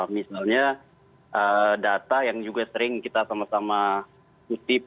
misalnya data yang juga sering kita sama sama kutip